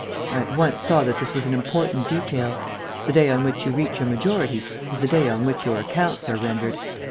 I at once saw that this was an important detail. The day on which you reach your majority is the day on which your accounts are rendered.